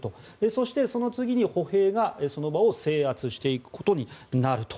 そして、その次に歩兵がその場を制圧していくことになると。